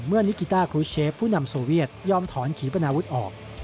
เมื่อนิกิตากรุชเชฟผู้นำโซเวียตย่อมถอนขีบประนาวุฒิออก